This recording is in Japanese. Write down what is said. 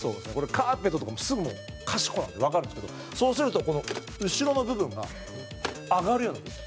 カーペットとかも、すぐ、もうかしこなんでわかるんですけどそうすると、この後ろの部分が上がるようになってる。